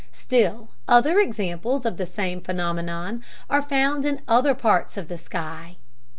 Still other examples of the same phenomenon are found in other parts of the sky.